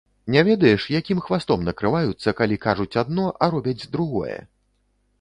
Не ведаеш, якім хвастом накрываюцца, калі кажуць адно, а робяць другое?